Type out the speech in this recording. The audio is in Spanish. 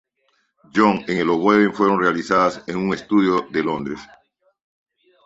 John en el oboe fueron realizadas en un estudio de Londres.